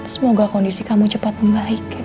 semoga kondisi kamu cepat membaik